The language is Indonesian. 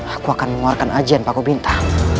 aku akan mengeluarkan ajian pak gobinta